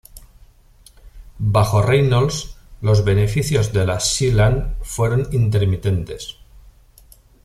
Bajo Reynolds, los beneficios de la Sea-Land fueron intermitentes.